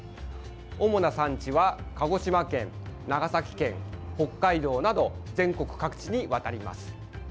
主な産地は、鹿児島県、長崎県北海道など全国各地にわたります。